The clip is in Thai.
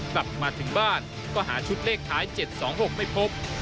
กลับมาถึงบ้านก็หาชุดเลขท้าย๗๒๖ไม่พบ